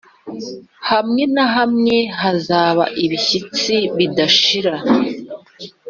hamwe na hamwe hazaba ibishyitsi bidashira